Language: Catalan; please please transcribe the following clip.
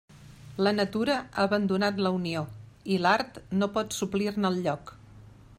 La natura ha abandonat la unió, i l'art no pot suplir-ne el lloc.